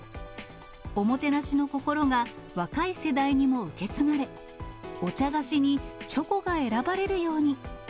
おもてなしの心が若い世代にも受け継がれ、お茶菓子にチョコが選ばれるように。